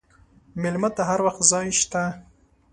مېلمه ته هر وخت ځای شته.